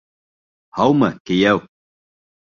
Һаумы, кейәү!